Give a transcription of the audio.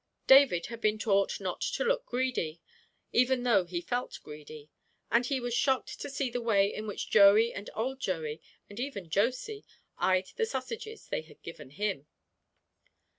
David had been taught not to look greedy, even though he felt greedy, and he was shocked to see the way in which Joey and old Joey and even Josy eyed the sausages they had given him.